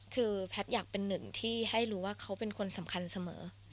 คือแพทย์อยากเป็นหนึ่งที่ให้รู้ว่าเขาเป็นคนสำคัญเสมอ